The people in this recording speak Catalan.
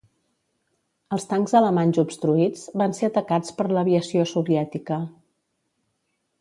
Els tancs alemanys obstruïts van ser atacats per l'aviació soviètica.